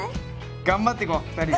頑張っていこう２人で。